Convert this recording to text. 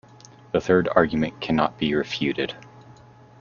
The third argument cannot be refuted.